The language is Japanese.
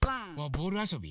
ボールあそび？